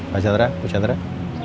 pak jadrah bu jadrah